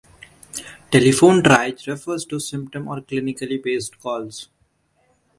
Telephone triage refers to symptom or clinically-based calls.